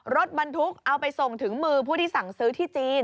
รถบรรทุกเอาไปส่งถึงมือผู้ที่สั่งซื้อที่จีน